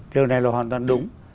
thưa ông nè lô hoàng